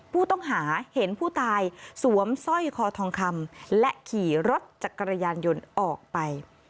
ผู้ต้องหาเห็นผู้ตายสวมสร้อยคอทองคำและขี่รถจักรยานยนต์ออกไป